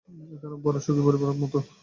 একটা বড়ো সুখী পরিবারের মতো।